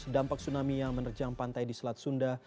dampak tsunami yang menerjang pantai di selat sunda